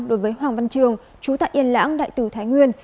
đối với hoàng văn trường chú tại yên lãng đại tử thái nguyên